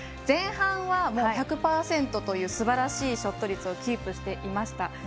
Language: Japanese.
前半は１００％というすばらしいショット率をキープしていました。